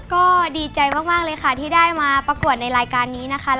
ก็ดีใจมากเลยค่ะที่ได้มาประกวดในรายการนี้นะคะ